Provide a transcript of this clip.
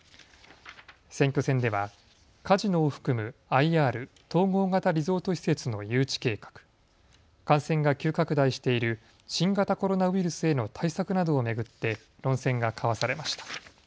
選挙戦ではカジノを含むＩＲ・統合型リゾート施設の誘致計画、感染が急拡大している新型コロナウイルスへの対策などを巡って論戦が交わされました。